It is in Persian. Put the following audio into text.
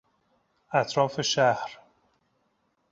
اطراف شهر